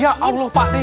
ya allah pak deh